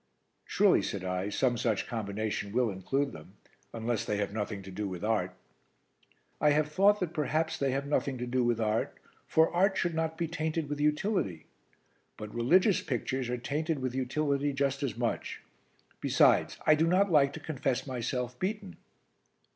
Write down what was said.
"Surely," said I, "some such combination will include them unless they have nothing to do with art." "I have thought that perhaps they have nothing to do with art, for art should not be tainted with utility; but religious pictures are tainted with utility just as much. Besides, I do not like to confess myself beaten."